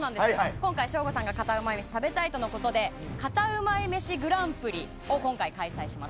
今回、省吾さんがカタうまい飯を食べたいとのことでカタうまい飯グランプリを今回開催します。